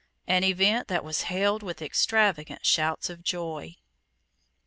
an event that was hailed with extravagant shouts of joy.